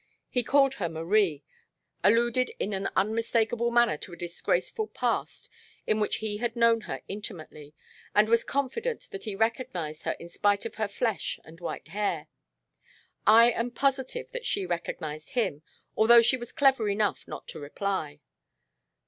He called her Marie, alluded in an unmistakable manner to a disgraceful past in which he had known her intimately, and was confident that he recognized her in spite of her flesh and white hair. I am positive that she recognized him, although she was clever enough not to reply."